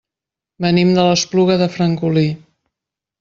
Venim de l'Espluga de Francolí.